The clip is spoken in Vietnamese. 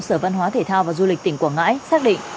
sở văn hóa thể thao và du lịch tỉnh quảng ngãi xác định